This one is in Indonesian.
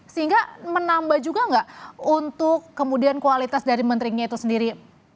sehingga menambah juga nggak untuk kemudian kualitas dari menterinya itu sendiri